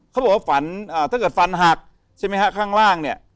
เขาบอกว่าฝันถ้าเกิดฟันหักใช่ไหมฮะข้างล่างเนี่ย